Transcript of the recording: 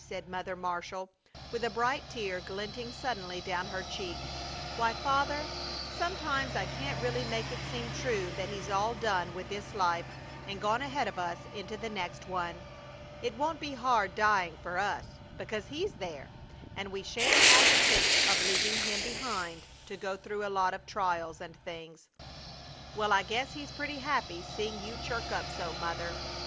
said Mother Marshall, with a bright tear glinting suddenly down her cheek. "Why, Father, sometimes I can't really make it seem true that he's all done with this life and gone ahead of us into the next one. It won't be hard dying, for us, because he's there, and we sha'n't have to think of leaving him behind to go through a lot of trials and things." "Well, I guess he's pretty happy seeing you chirk up so, Mother.